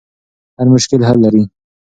هر مشکل حل لري.